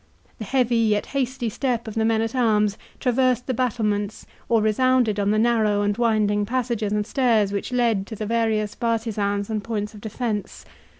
The heavy, yet hasty step of the men at arms, traversed the battlements or resounded on the narrow and winding passages and stairs which led to the various bartisans and points of defence.